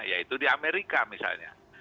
yaitu di amerika misalnya